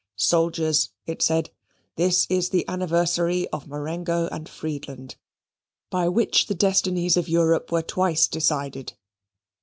"Soldiers!" it said, "this is the anniversary of Marengo and Friedland, by which the destinies of Europe were twice decided.